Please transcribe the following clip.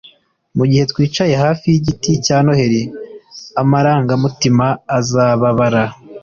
mugihe twicaye hafi yigiti cya noheri, amarangamutima azababara